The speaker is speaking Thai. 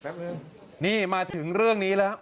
แป๊บนึงนี่มาถึงเรื่องนี้แล้ว